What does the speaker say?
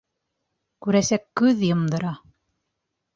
Күрәсәк күҙ йомдора.